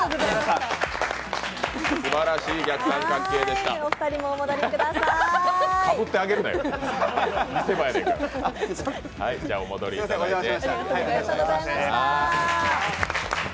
すばらしい逆三角形でした。